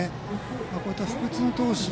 こういった不屈の闘志。